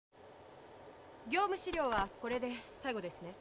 業務資料はこれで最後ですね？